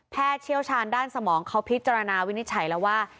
ทางด้านสมองเขาพิจารณาวินิจฉัยแล้วว่า